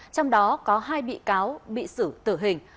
trong đó có hai bị cáo bị xử tử hình